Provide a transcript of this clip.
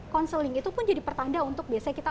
counseling itu pun jadi pertanda untuk biasanya kita